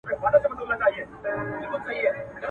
هم خر له کوره، هم خربه له کوره.